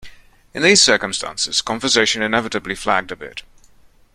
In these circumstances, conversation inevitably flagged a bit.